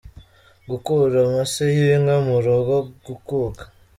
Gukura amase y ;inka mu rugo : Gukuka.